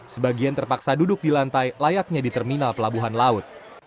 sebagian terpaksa duduk di lantai layaknya di terminal pelabuhan laut